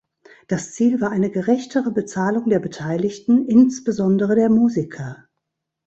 Das Ziel war eine gerechtere Bezahlung der Beteiligten, insbesondere der Musiker.